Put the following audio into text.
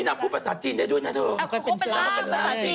นี่นำผู้ภาษาจีนได้ด้วยนะทุกคนคนนั้นก็เป็นล่ามภาษาจีน